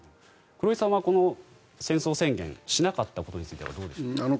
黒井さんはこの戦争宣言しなかったことについてはどうですか？